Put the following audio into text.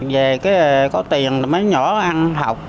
về cái có tiền mấy nhỏ ăn học